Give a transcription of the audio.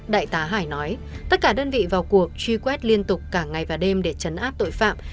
đại tá hải nói tất cả đơn vị vào cuộc truy quét liên tục cả ngày và đêm để chấn áp tội phạm